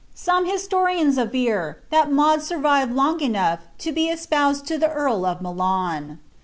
Some historians aver that Maud survived loa| enough to be espoused lo the earl of Milan.